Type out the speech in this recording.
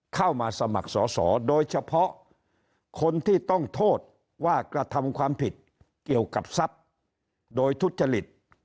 เข้ามาสมัครสอสอโดยเฉพาะคนที่ต้องโทษว่ากระทำความผิดเกี่ยวกับทรัพย์โดยทุจริต